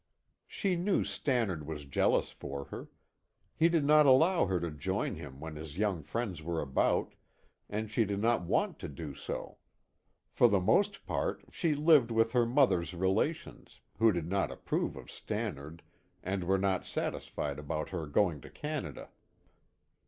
She knew Stannard was jealous for her. He did not allow her to join him when his young friends were about, and she did not want to do so. For the most part she lived with her mother's relations, who did not approve of Stannard and were not satisfied about her going to Canada.